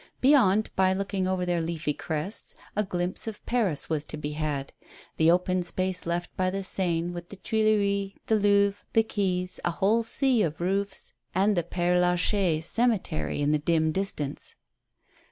Beyond, by looking over their leafy crests, a glimpse of Paris was to be had : the open space left by the Seine, with the Tuileries, the Louvre, the quays, a whole sea of roofs, and the Pere Lachaise cemetery in the dim distance.